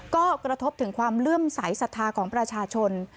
ก็กระทบถึงความเลื่อมใสสัทธาของประชาชน